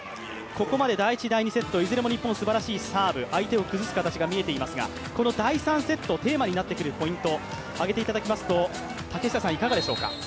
ここまで第１、第２セット、いずれも日本、すばらしいサーブ、相手を崩す形が見えていますが、この第３セットのテーマになってくること、何でしょうか。